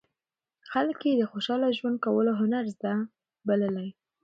خلک یې د خوشاله ژوند کولو هنر زده بللی.